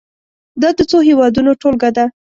دا د څو هېوادونو ټولګه ده.